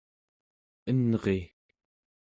enri